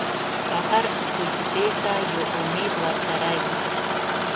هر سجدې ته یو امید ورسره وي.